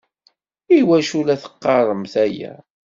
I wacu i la teqqaremt aya?